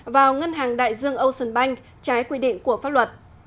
vào ngân hàng đại dương ocean bank trái quy định của pháp luật